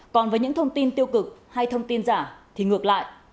còn với những thông tin tiêu cực hay thông tin giả thì ngược lại